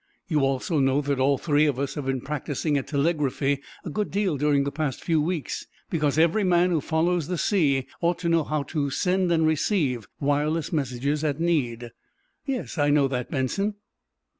"You also know that all three of us have been practicing at telegraphy a good deal during the past few weeks, because every man who follows the sea ought to know how to send and receive wireless messages at need." "Yes; I know that, Benson."